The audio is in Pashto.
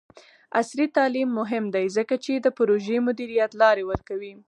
عصري تعلیم مهم دی ځکه چې د پروژې مدیریت لارې ورکوي.